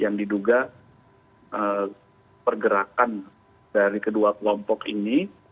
yang diduga pergerakan dari kedua kelompok ini